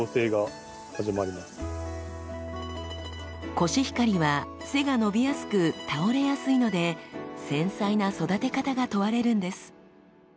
コシヒカリは背が伸びやすく倒れやすいので繊細な育て方が問われるんです。